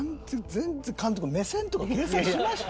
全然監督目線とか計算しました？」